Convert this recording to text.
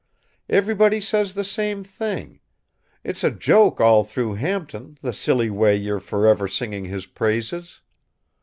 Everybody says the same thing. It's a joke all through Hampton, the silly way you're forever singing his praises."